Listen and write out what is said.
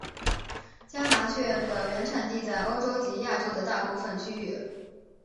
家麻雀的原产地在欧洲及亚洲的大部份区域。